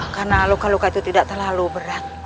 karena luka luka itu tidak terlalu berat